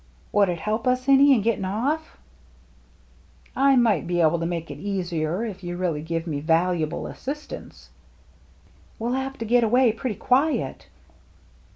" Would it help us any in getting off ?"" I might be able to make it easier if you really give me valuable assistance." " We'll have to get away pretty quiet."